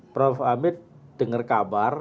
prof amit dengar kabar